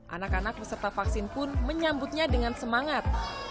anak anak peserta vaksin pun menyambutnya dengan semangat